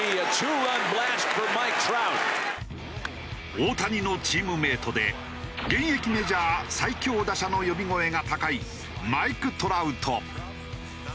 大谷のチームメートで現役メジャー最強打者の呼び声が高いマイク・トラウト。